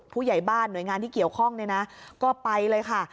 ผู้ใหญ่บ้านหน่วยงานที่เกี่ยวข้องเนี่ยนะก็ไปเลยค่ะ